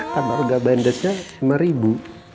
tabarga bandetnya lima ribu